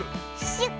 シュッ！